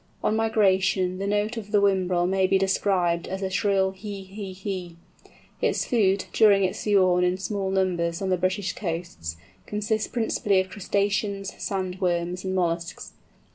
On migration the note of the Whimbrel may be described as a shrill hee hee hee. Its food, during its sojourn in small numbers on the British coasts, consists principally of crustaceans, sand worms, and molluscs.